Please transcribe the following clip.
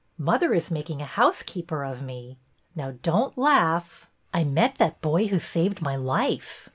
Mother is making a housekeeper of me! Now don't laugh! I met that boy who saved my life!